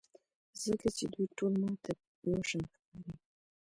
ځکه چې دوی ټول ماته یوشان ښکاري.